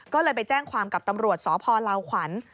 ก็เลยไปแจ้งความกับตำรวจสพลาวขวัญ